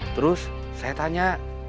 terus saya tanya